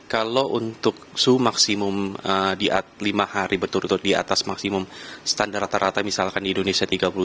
kalau untuk suhu maksimum di lima hari berturut turut di atas maksimum standar rata rata misalkan di indonesia tiga puluh tujuh